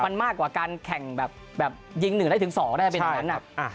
มันมากกว่าการแข่งแบบยิงหนึ่งได้ถึงสองได้เป็นอย่างนั้น